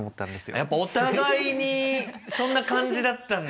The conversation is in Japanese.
やっぱお互いにそんな感じだったんだ。